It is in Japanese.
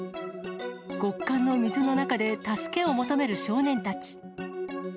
極寒の水の中で助けを求める少年たち。